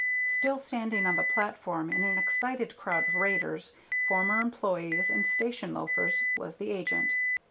Still standing on the platform in an excited crowd of raiders, former employees, and station loafers, was the agent.